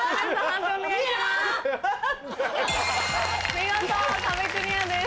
見事壁クリアです。